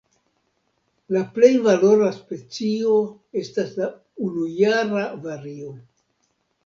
La plej valora specio estas la unujara vario.